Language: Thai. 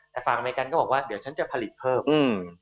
แต่ฝั่งอเมริกันก็บอกว่าเดี๋ยวฉันจะผลิตเพิ่มอืม